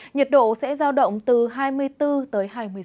nhiệt độ sẽ giao động từ hai mươi bốn hai mươi sáu độ